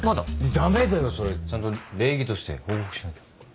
ダメだよそれちゃんと礼儀として報告しなきゃ。